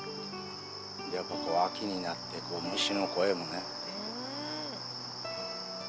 やっぱこう、秋になって、虫の声もね。